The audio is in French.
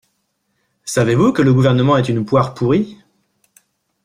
Savez-vous que le gouvernement est une poire pourrie?